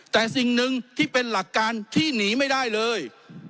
แต่สิ่งหนึ่งที่เป็นหลักการที่หนีไม่ได้เลย